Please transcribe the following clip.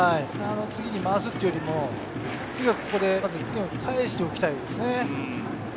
次に回すというよりもとにかくここで１点を返しておきたいですね。